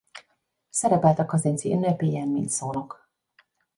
Szerepelt a Kazinczy-ünnepélyen mint szónok.